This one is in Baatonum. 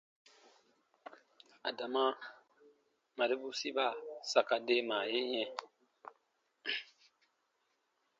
Adama marebu siba sa ka deemaa ye yɛ̃.